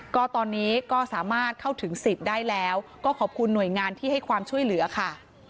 ก็ตอนนี้ก็สามารถเข้าถึงสิทธิ์ได้แล้วก็ขอบคุณหน่วยงานที่ให้ความช่วยเหลือค่ะ